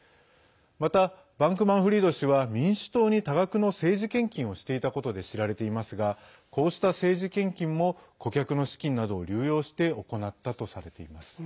また、バンクマンフリード氏は民主党に、多額の政治献金をしていたことで知られていますがこうした政治献金も顧客の資金などを流用して行ったとされています。